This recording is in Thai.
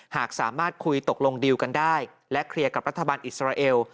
หากสามารถคุยตกลงดีลกันได้และเคลียร์กับรัฐบาลอิสราเอล